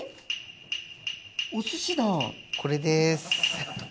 これです。